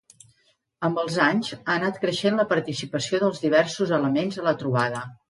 Amb els anys ha anat creixent la participació dels diversos elements a la trobada.